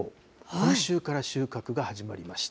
今週から収穫が始まりました。